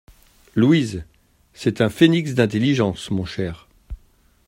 Louise ! c’est un phénix d’intelligence, mon cher.